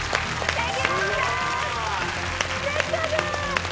できたぜ！